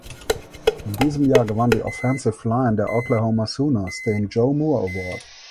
In diesem Jahr gewann die Offensive Line der Oklahoma Sooners den Joe Moore Award.